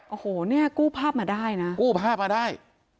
โอ้โหเนี่ยกู้ภาพมาได้นะกู้ภาพมาได้